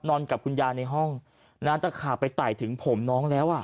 นอนกับคุณยาในห้องน้ำตะขาไปไต่ถึงผมน้องแล้ว